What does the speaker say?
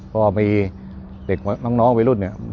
เพราะว่ามีเด็กน้องอวัยรุ่น